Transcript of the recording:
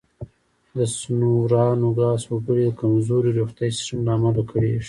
د سونورا نوګالس وګړي د کمزوري روغتیايي سیستم له امله کړېږي.